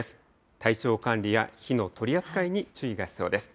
体調管理や火の取り扱いに注意が必要です。